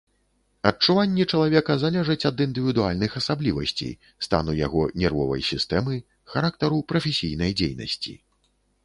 Адчуванні чалавека залежаць ад індывідуальных асаблівасцей, стану яго нервовай сістэмы, характару прафесійнай дзейнасці.